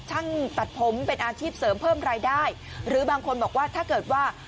ช่างตัดผมเป็นอาชีพเสริมเพิ่มรายได้หรือบางคนบอกว่าถ้าเกิดว่า